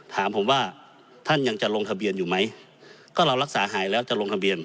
ถามผมว่าท่านยังจะลงทะเบียนอยู่ไหมก็เรารักษาหายแล้วจะลงทะเบียน